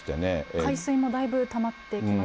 海水もだいぶ、たまってきました。